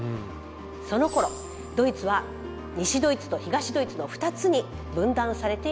そのころドイツは西ドイツと東ドイツの２つに分断されていました。